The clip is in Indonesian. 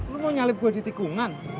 lu mau nyalip gue di tikungan